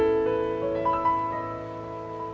ที่ได้เงินเพื่อจะเก็บเงินมาสร้างบ้านให้ดีกว่า